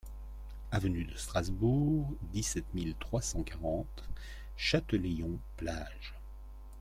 Avenue de Strasbourg, dix-sept mille trois cent quarante Châtelaillon-Plage